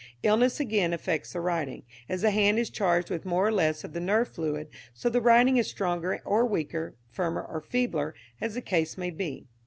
"Illness, again, affects the writing. As the hand is charged with more or less of the nerve fluid, so the writing is stronger or weaker, firmer or feebler, as the case may be.